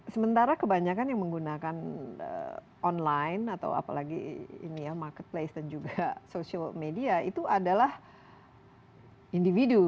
sementara kebanyakan yang menggunakan online atau apalagi ini ya marketplace dan juga social media itu adalah individu